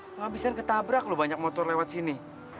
lo abis abisan ketabrak loh banyak motor lewat sini